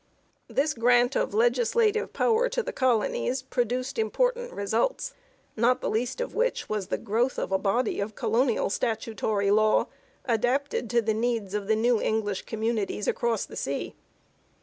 2 This grant of legislative power to the colonies produced important results, not the least of which was the growth of a body of colonial statutory law adapted to the needs of the new English communities across the sea.